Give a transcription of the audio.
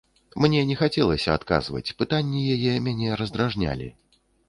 Мне не хацелася адказваць, пытанні яе мяне раздражнялі.